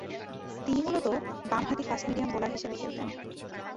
তিনি মূলতঃ বামহাতি ফাস্ট-মিডিয়াম বোলার হিসেবে খেলতেন।